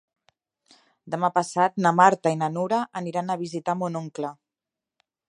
Demà passat na Marta i na Nura aniran a visitar mon oncle.